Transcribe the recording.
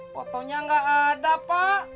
fotonya nggak ada pak